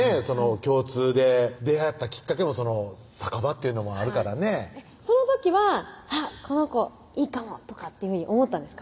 共通で出会ったきっかけも酒場っていうのもあるからねその時はあっこの子いいかもとかっていうふうに思ったんですか？